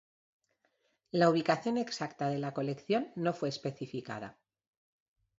La ubicación exacta de la colección no fue especificada.